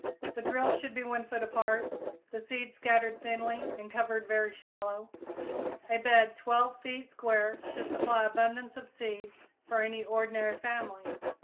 The drills should be 1 foot apart, the seeds scattered thinly and covered very shallow; a bed 12 feet square should supply abundance of seed for any ordinary family.